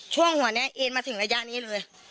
ช่วงหัวนี้เอ็นมาถึงระยะนี้เลย